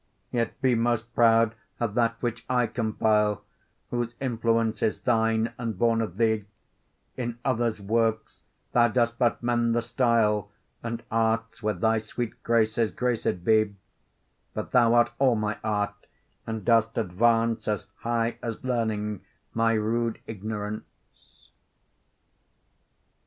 Yet be most proud of that which I compile, Whose influence is thine, and born of thee: In others' works thou dost but mend the style, And arts with thy sweet graces graced be; But thou art all my art, and dost advance As high as learning, my rude ignorance.